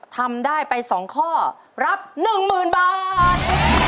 ทำได้ไป๒ข้อรับ๑๐๐๐บาท